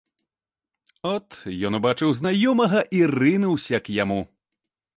От ён убачыў знаёмага і рынуўся к яму.